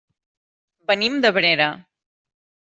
Venim d'Abrera.